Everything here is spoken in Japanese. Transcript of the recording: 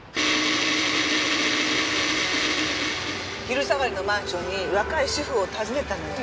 昼下がりのマンションに若い主婦を訪ねたのよ。